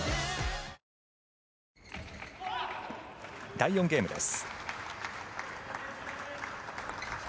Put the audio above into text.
第４ゲームです。